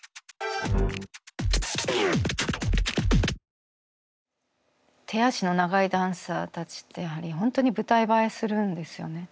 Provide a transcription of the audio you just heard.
それはもう本当に手足の長いダンサーたちってやはり本当に舞台映えするんですよね。